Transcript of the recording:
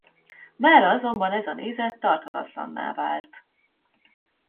Mára azonban ez a nézet tarthatatlanná vált.